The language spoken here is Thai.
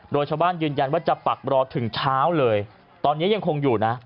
โดยชาวบ้านยืนยันว่าจะปักรอถึงเช้าเลยตอนนี้ยังคงอยู่นะ